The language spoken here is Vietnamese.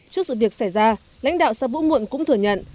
trước sự việc xảy ra lãnh đạo xã vũ muộn cũng thừa nhận